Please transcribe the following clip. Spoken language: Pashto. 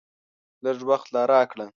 لږ وخت لا راکړه !